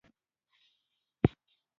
ازمرے پۀ جسماني او فکري توګه د جبلت غلام دے